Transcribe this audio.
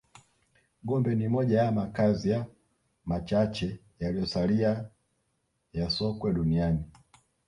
Gombe ni moja ya makazi ya machache yaliyosalia ya Sokwe duniani